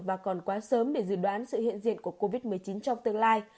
và còn quá sớm để dự đoán sự hiện diện của covid một mươi chín trong tương lai